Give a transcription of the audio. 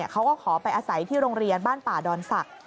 เขาก็ขอไปอาศัยที่โรงเรียนบ้านป่าดอนศักดิ